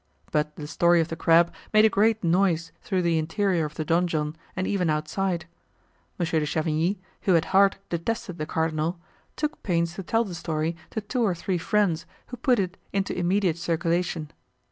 But the story of the crab made a great noise through the interior of the donjon and even outside. Monsieur de Chavigny, who at heart detested the cardinal, took pains to tell the story to two or three friends, who put it into immediate circulation.